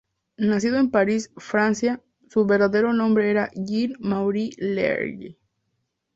Nacido en París, Francia, su verdadero nombre era Jean Maurice Large.